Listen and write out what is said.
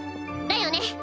だよね？